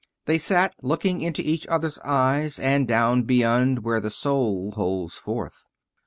They sat looking into each other's eyes, and down beyond, where the soul holds forth.